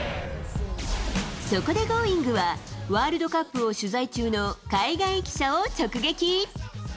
そこで『Ｇｏｉｎｇ！』は、ワールドカップを取材中の海外記者を直撃。